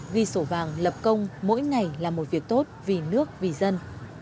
ghi sổ vàng lập công mỗi ngày là một việc tốt vì nước vì dân